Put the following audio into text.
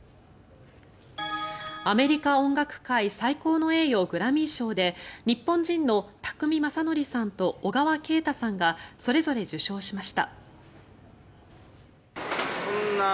アメリカ音楽界、最高の栄誉グラミー賞で日本人の宅見将典さんと小川慶太さんがそれぞれ受賞しました。